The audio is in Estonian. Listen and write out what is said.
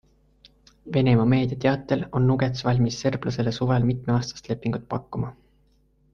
Venemaa meedia teatel on Nuggets valmis serblasele suvel mitmeaastast lepingut pakkuma.